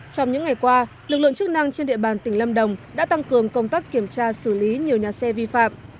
trong những ngày qua lực lượng chức năng trên địa bàn tỉnh lâm đồng đã tăng cường công tác kiểm tra xử lý nhiều nhà xe vi phạm